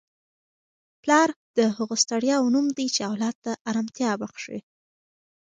پلار د هغو ستړیاوو نوم دی چي اولاد ته ارامتیا بخښي.